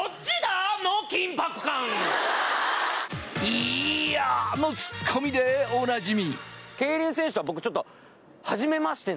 いや！のツッコミでおなじみ。